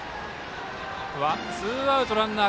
ツーアウトランナー